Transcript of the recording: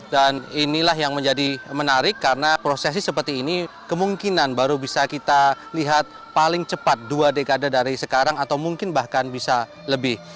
dan inilah yang menjadi menarik karena prosesi seperti ini kemungkinan baru bisa kita lihat paling cepat dua dekade dari sekarang atau mungkin bahkan bisa lebih